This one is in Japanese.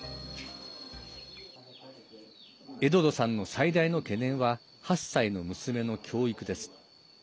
エドドさんの最大の懸念は８歳の娘の教育です。